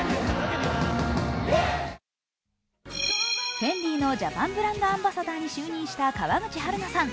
ＦＥＮＤＩのジャパンブランドアンバサダーに就任した川口春奈さん。